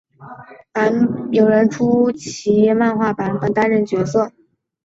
担任角色原案的夏元雅人有出其漫画版本。